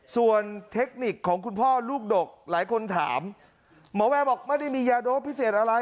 ส่วนเทคนิคของคุณพ่อลูกดกหลายคนถามหมอแวร์บอกไม่ได้มียาโดปพิเศษอะไร